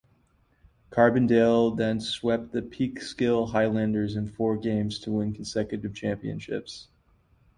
Carbondale then swept the Peekskill Highlanders in four games to win consecutive championships.